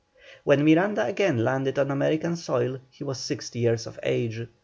When Miranda again landed on American soil he was sixty years of age.